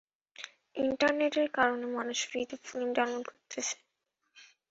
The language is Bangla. ইন্টারনেটের কারনে মানুষ ফ্রীতে ফিল্ম ডাউনলোড করতেসে।